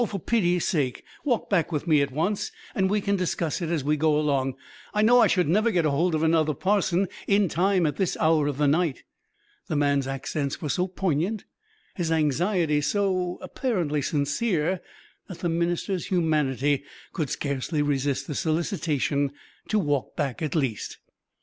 for pity's sake, walk back with me at once and we can discuss it as we go along. I know I should never get hold of another parson in time at this hour of the night." The man's accents were so poignant, his anxiety was so apparently sincere, that the minister's humanity could scarcely resist the solicitation to walk back at least.